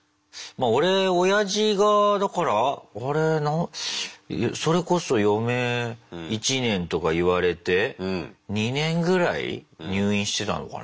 俺おやじがだからそれこそ余命１年とか言われて２年ぐらい入院してたのかな。